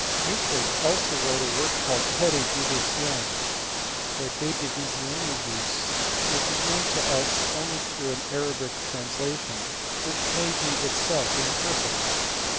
Euclid also wrote a work called Ilept AtaipeVecoi or De Divisionibus, which is known to us only through an Arabic translation which may be itself imperfect.